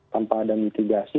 tanpa ada mitigasi